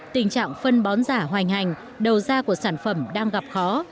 tình trạng phân bón giả hoành hành đầu ra của sản phẩm đang gặp khó